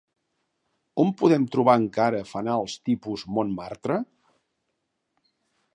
On podem trobar encara fanals tipus Montmartre?